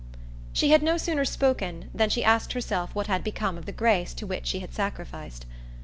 She had no sooner spoken than she asked herself what had become of the grace to which she had sacrificed.